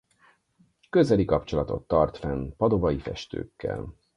Közeli kapcsolatot tart fenn padovai festőkkel.